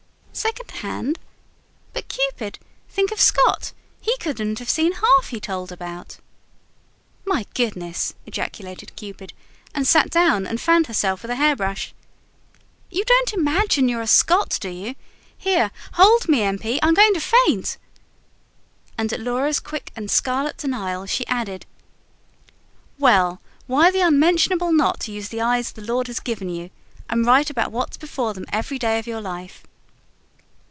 "Second hand? ... But Cupid ... think of Scott! He couldn't have seen half he told about?" "My gracious!" ejaculated Cupid, and sat down and fanned herself with a hairbrush. "You don't imagine you're a Scott, do you? Here, hold me, M. P., I'm going to faint!" and at Laura's quick and scarlet denial, she added: "Well, why the unmentionable not use the eyes the Lord has given you, and write about what's before them every day of your life?"